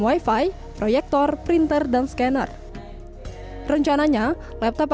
wi fi proyektor printer dan scanner rencananya laptop